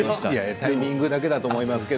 タイミングだけだと思います。